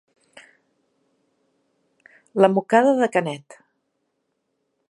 La mocada de Canet.